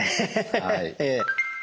はい。